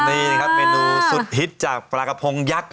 นี่นะครับเมนูสุดฮิตจากปลากระพงยักษ์